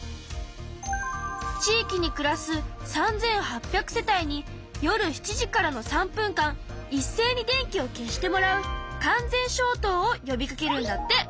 地域に暮らす３８００世帯に夜７時からの３分間いっせいに電気を消してもらう完全消灯を呼びかけるんだって。